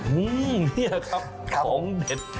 อื้อเหี้ยครับของเด็ด